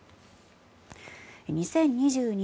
２０２２